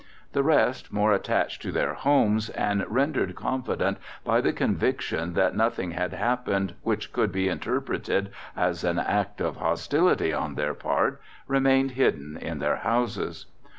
The rest, more attached to their homes, and rendered confident by the conviction that nothing had happened which could be interpreted as an act of hostility on their part, remained hidden in their houses.